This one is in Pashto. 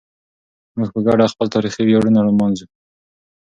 موږ په ګډه خپل تاریخي ویاړونه لمانځو.